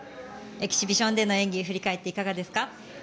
エキシビションでの演技振り返っていかがですか。